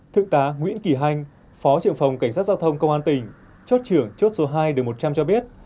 thượng tá nguyễn kỳ hanh phó trưởng phòng cảnh sát giao thông công an tỉnh chốt trưởng chốt số hai đường một trăm linh cho biết